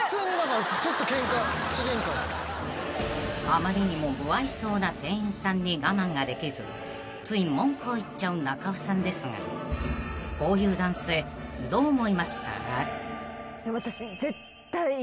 ［あまりにも無愛想な店員さんに我慢ができずつい文句を言っちゃう中尾さんですがこういう男性どう思いますか？］